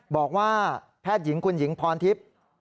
บอกว่าแพทย์หญิงคุณหญิงพรทิพย์